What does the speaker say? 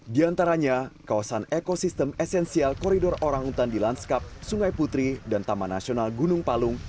di antaranya kawasan ekosistem esensial koridor orang utan di lanskap sungai putri dan taman nasional gunung palung